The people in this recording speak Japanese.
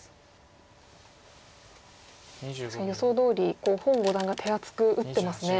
確かに予想どおり洪五段が手厚く打ってますね。